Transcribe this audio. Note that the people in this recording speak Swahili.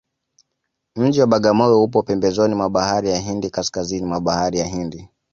mji wa bagamoyo upo pembezoni mwa bahari ya hindi kaskazini mwa bahari ya hindi